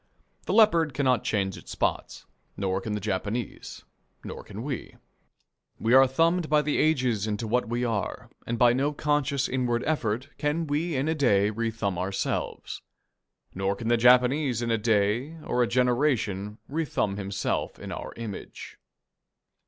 The leopard cannot change its spots, nor can the Japanese, nor can we. We are thumbed by the ages into what we are, and by no conscious inward effort can we in a day rethumb ourselves. Nor can the Japanese in a day, or a generation, rethumb himself in our image.